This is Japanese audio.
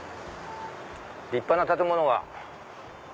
立派な建物が。